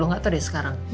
gak tau deh sekarang